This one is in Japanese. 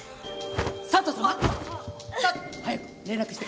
佐都さま？早く連絡して。